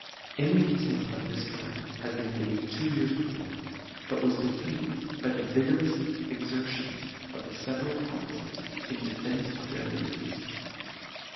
An attempt of this kind had been made two years before, but was defeated by P ii 4 LETTER X. the vigorous exertions ofthefeveral provinces in defence of their liberties.